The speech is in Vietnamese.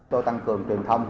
tôi tăng cường truyền thông